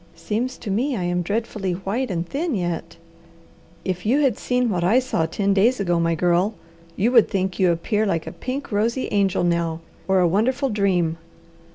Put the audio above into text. "Seems to me I am dreadfully white and thin yet!" "If you had seen what I saw ten days ago, my Girl, you would think you appear like a pink, rosy angel now, or a wonderful dream."